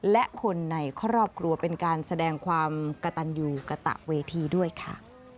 และคนในครอบครัวเป็นการแสดงความกระตันอยู่กระตะเวทีด้วยค่ะ